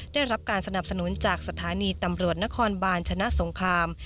ได้รับการสนับสนุนจากสถานีตำรวจนครบาลชนะสงคราม